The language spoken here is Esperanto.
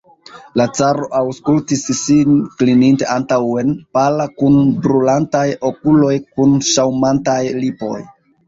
La caro aŭskultis, sin klininte antaŭen, pala, kun brulantaj okuloj, kun ŝaŭmantaj lipoj.